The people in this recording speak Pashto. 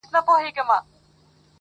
که آرام غواړې، د ژوند احترام وکړه.